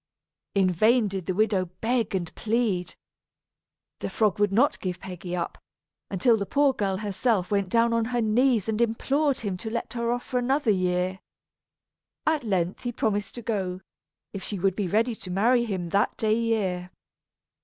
In vain did the widow beg and plead. The frog would not give Peggy up, until the poor girl herself went down on her knees and implored him to let her off for another year. At length he promised to go, if she would be ready to marry him that day year.